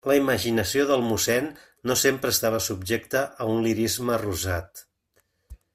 La imaginació del mossén no sempre estava subjecta a un lirisme rosat.